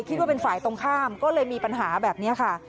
คิดว่าเป็นฝ่ายตรงข้ามก็เลยมีปัญหาแบบนี้ค่ะ